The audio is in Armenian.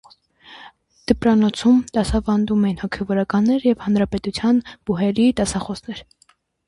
Դպրանոցում դասավանդում են հոգևորականներ և հանրապետության բուհերի դասախոսներ։